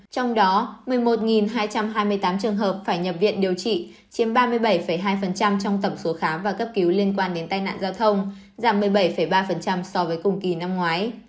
trong đó một mươi một hai trăm hai mươi tám trường hợp phải nhập viện điều trị chiếm ba mươi bảy hai trong tổng số khám và cấp cứu liên quan đến tai nạn giao thông giảm một mươi bảy ba so với cùng kỳ năm ngoái